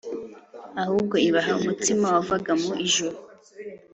ahubwo ibaha umutsima wavaga mu ijuru